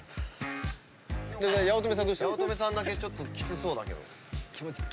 八乙女さんだけちょっときつそうだけど。